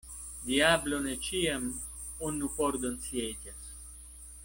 Diablo ne ĉiam unu pordon sieĝas.